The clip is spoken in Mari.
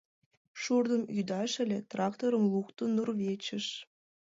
Шурным ӱдаш ыле, тракторым луктын нурвечыш